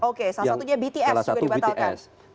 oke salah satunya bts juga dibatalkan